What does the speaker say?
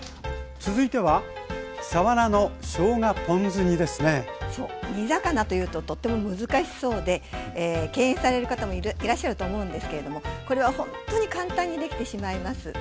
続いては煮魚というととっても難しそうで敬遠される方もいらっしゃると思うんですけれどもこれはほんとに簡単にできてしまいます。